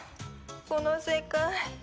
この世界。